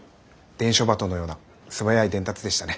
伝書鳩のような素早い伝達でしたね。